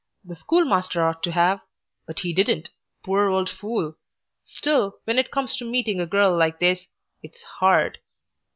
The schoolmaster ought to have. But he didn't, poor old fool! Still, when it comes to meeting a girl like this It's 'ARD.